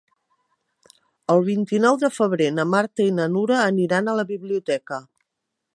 El vint-i-nou de febrer na Marta i na Nura aniran a la biblioteca.